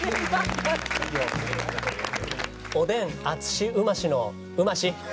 おでんあつしうましのうまし。